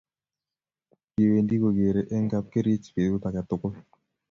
kiwendi kogeerei Eng' kapkerich betut age tugul